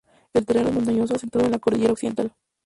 El terreno es montañoso asentado en la Cordillera Occidental.